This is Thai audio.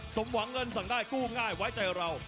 สมหวังเงินสั่งได้กู้ง่ายไว้ใจเรา